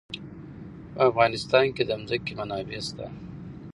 په افغانستان کې د ځمکه منابع شته.